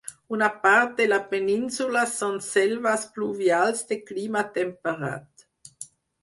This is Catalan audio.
Una part de la península són selves pluvials de clima temperat.